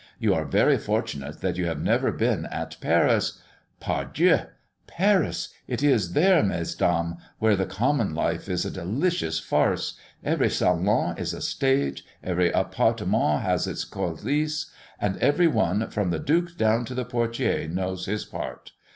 You are very fortunate that you have never been at Paris. Par Dieu! Paris! It is there, mesdames, where the common life is a delicious farce; every salon is a stage; every apartment has its coulisses, and every one, from the duke down to the portier, knows his part.